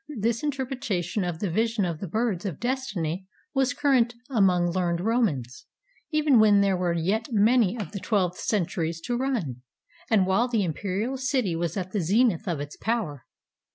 This interpretation of the vision of the birds of destiny was current among learned Romans, even when there were yet many of the twelve centuries to run, and while the imperial city was at the zenith of its power.